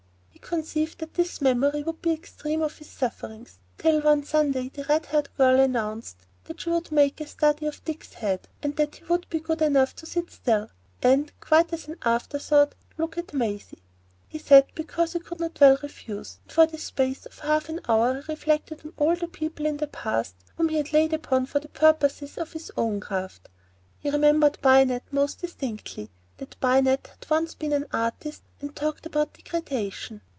He conceived that this memory would be the extreme of his sufferings, till one Sunday, the red haired girl announced that she would make a study of Dick's head, and that he would be good enough to sit still, and—quite as an afterthought—look at Maisie. He sat, because he could not well refuse, and for the space of half an hour he reflected on all the people in the past whom he had laid open for the purposes of his own craft. He remembered Binat most distinctly,—that Binat who had once been an artist and talked about degradation.